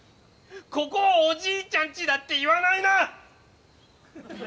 ここを「おじいちゃんちだ」って言わないな！